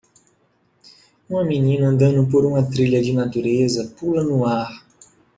Uma menina andando por uma trilha de natureza pula no ar.